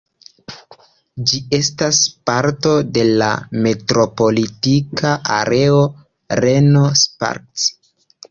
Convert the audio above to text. Ĝi estas parto de la metropolita areo Reno–Sparks.